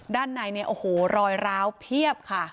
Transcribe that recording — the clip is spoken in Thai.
ด้านในเนี่ยโอ้โหรอยร้าวเพียบค่ะ